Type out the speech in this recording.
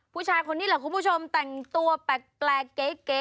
ผู้ชายคนนี้แหละคุณผู้ชมแต่งตัวแปลกเก๋